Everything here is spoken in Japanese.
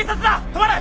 止まれ！